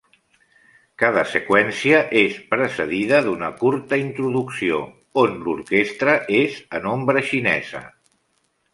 Cada seqüència és precedida d'una curta introducció on l'orquestra és en ombra xinesa.